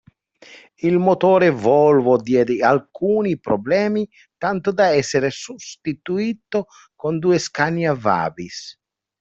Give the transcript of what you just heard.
Il motore Volvo diede alcuni problemi, tanto da essere sostituito con due Scania-Vabis.